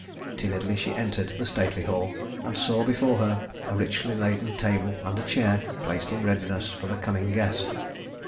Timidly she entered the stately hall, and saw before her a richly laden table and a chair placed in readiness for the coming guest.